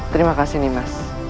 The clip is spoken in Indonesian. terima kasih nimas